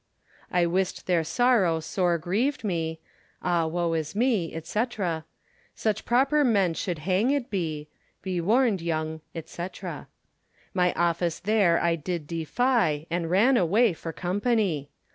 I wist their sorrow sore grieved me, Ah, woe is me, &c. Such proper men should hanged be, Be warned yong, &c. My office ther I did defie, And ran away for company.